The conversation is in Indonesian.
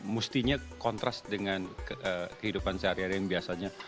mestinya kontras dengan kehidupan sehari hari yang biasanya